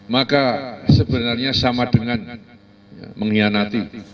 maka sebenarnya sama dengan mengkhianati